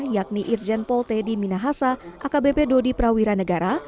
yakni irjen pol teddy minahasa akbp dodi prawira negara